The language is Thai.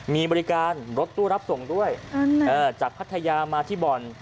มีบริการรถตู้รับส่งด้วยจากพัทยามาที่บ่อน